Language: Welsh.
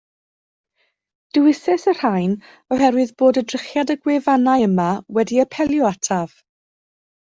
Dewisais y rhain oherwydd bod edrychiad y gwefannau yma wedi apelio ataf